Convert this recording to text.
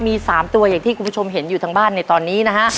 มี๓ตัวอย่างที่คุณผู้ชมเห็นอยู่ทางบ้านในตอนนี้นะฮะ